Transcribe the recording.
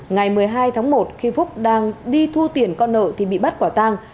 ngày một mươi hai tháng một khi phúc đang đi thu tiền con nợ thì bị bắt quả tang